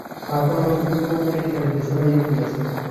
তাঁহার কন্যা দ্রৌপদীর রূপগুণের খ্যাতি চারিদিকে ছড়াইয়া পড়িয়াছিল।